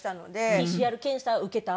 ＰＣＲ検査受けたあとは。